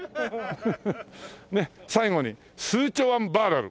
ねえ最後に「スーチョワンバーラル」！